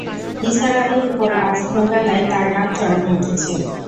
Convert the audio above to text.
নিসার আলির ওপর আজ ভোরবেলায় তাঁর রাগ চরমে উঠেছে।